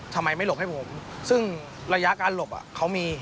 ทำไมไม่หลบให้ผมซึ่งระยะการหลบเขามี